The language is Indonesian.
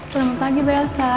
selamat pagi belsa